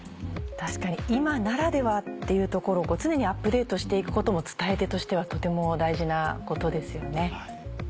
確かに今ならではっていうところを常にアップデートして行くことも伝え手としてはとても大事なことですよね。